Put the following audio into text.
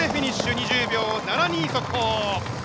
２０秒７２、速報！